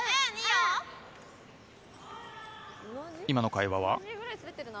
今の会話は？